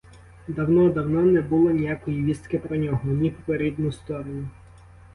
Давно, давно не було ніякої вістки про нього, ні про рідну сторону.